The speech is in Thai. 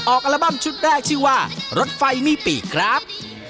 อัลบั้มชุดแรกชื่อว่ารถไฟมีปีกครับ